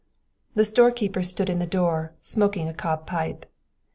The storekeeper stood in the door, smoking a cob pipe.